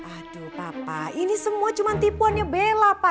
aduh papa ini semua cuma tipuannya bella pak